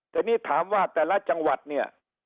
แต่นี่ถามว่าแต่ละจังหวัดเนี่ย